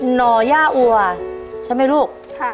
หน่อย่าอ่อนใช่ไหมลูก